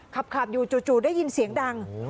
ขับอยู่จู่ได้ยินเสียงดัง